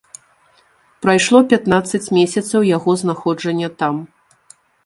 Прайшло пятнаццаць месяцаў яго знаходжання там.